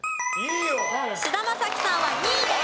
菅田将暉さんは２位です。